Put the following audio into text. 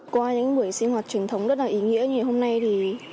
qua những buổi sinh hoạt truyền thống rất là ý nghĩa như hôm nay thì